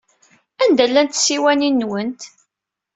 Anda llant tsiwanin-nwent?